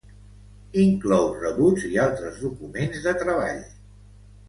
Inclou rebuts i altres documents de treball.